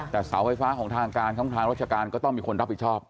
แต่เสาไฟฟ้าของทางการของทางราชการก็ต้องมีคนรับผิดชอบ